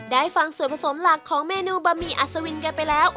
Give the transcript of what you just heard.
ฟังส่วนผสมหลักของเมนูบะห่อัศวินกันไปแล้ว